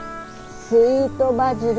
スイートバジル。